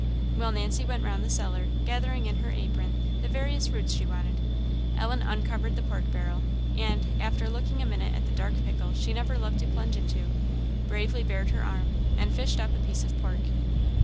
While Nancy went round the cellar, gathering in her apron the various roots she wanted, Ellen uncovered the pork barrel, and, after looking a minute at the dark pickle she never loved to plunge into, bravely bared her arm, and fished up a piece of pork.